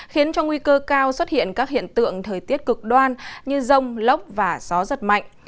khiến cho nguy cơ cao xuất hiện các hiện tượng thời tiết cực đoan như rông lốc và gió giật mạnh